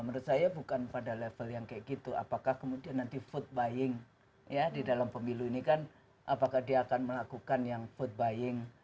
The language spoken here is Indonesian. menurut saya bukan pada level yang kayak gitu apakah kemudian nanti vote buying ya di dalam pemilu ini kan apakah dia akan melakukan yang food buying